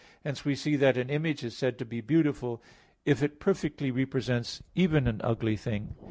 Hence we see that an image is said to be beautiful, if it perfectly represents even an ugly thing.